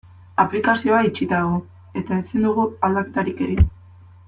Aplikazioa itxita dago eta ezin dugu aldaketarik egin.